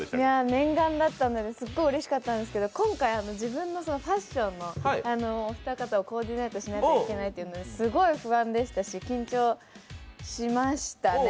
念願だったのですごいうれしかったんですけど今回、自分のファッションの、お二方をコーディネートしないといけないというすごい不安でしたし、緊張しましたね。